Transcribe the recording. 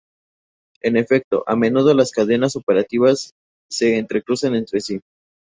En efecto, a menudo las cadenas operativas se entrecruzan entre sí.